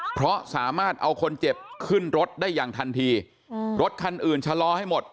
เพราะสามารถเอาคนเจ็บขึ้นรถได้อย่างทันทีรถคันอื่นชะลอให้หมด